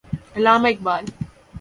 Allama Iqbal